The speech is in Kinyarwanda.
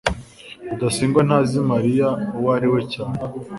rudasingwa ntazi mariya uwo ari we cyane